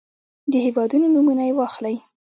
د هېوادونو نومونه يې واخلئ.